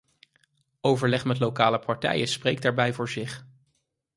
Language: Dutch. Overleg met lokale partijen spreekt daarbij voor zich.